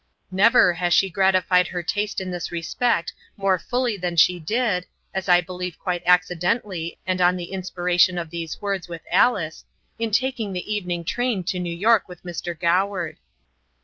Never has she gratified her taste in this respect more fully than she did as I believe quite accidentally and on the inspiration of these words with Alice in taking the evening train to New York with Mr. Goward.